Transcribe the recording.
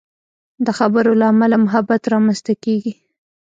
د خبرو له امله محبت رامنځته کېږي.